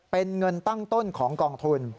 เป็นเงินตั้งต้นของกองทุน